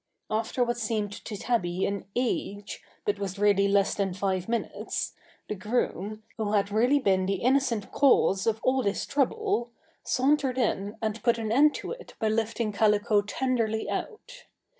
After what seemed to Tabby an age, but was really less than five minutes, the groom, who had really been the innocent cause of all this trouble, sauntered in and put an end to it by lifting Calico tenderly out.